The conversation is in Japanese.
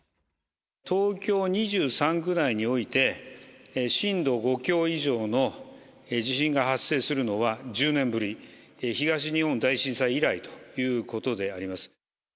東京２３区内において、震度５強以上の地震が発生するのは１０年ぶり、東日本大震災以来ということであります。